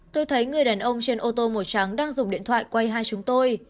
tôi thấy người đàn ông trên ô tô màu trắng đang dùng điện thoại quay hai chúng tôi